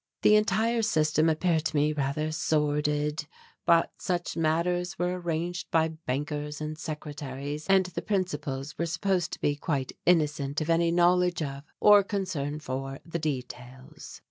The entire system appeared to me rather sordid, but such matters were arranged by bankers and secretaries and the principals were supposed to be quite innocent of any knowledge of, or concern for, the details.